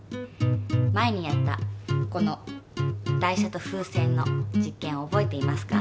前にやったこの台車と風船の実験を覚えていますか？